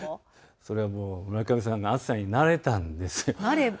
それはもう村上さんが暑さに慣れたんです。